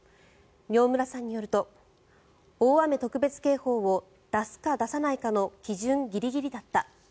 饒村さんによると大雨特別警報を出すか出さないかの基準ギリギリだった。